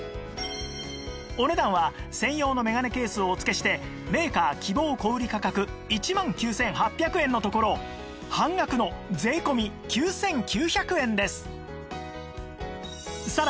お値段は専用のメガネケースをお付けしてメーカー希望小売価格１万９８００円のところ半額の税込９９００円です